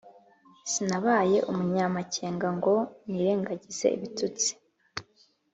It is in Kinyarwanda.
sinabaye umunyamakenga ngo nirengagize ibitutsi